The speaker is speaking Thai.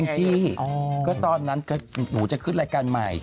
เอ็งจีก็ตอนนั้นจะลาให้รายการใหม่